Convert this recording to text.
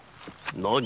何？